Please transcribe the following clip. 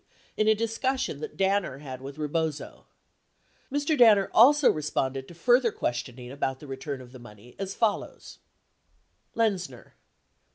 in a discussion that Danner had with Rebozo. 39 Mr. Danner also responded to further questioning about the return of the money as follows : 38 Rebozo interview transcript, Oct.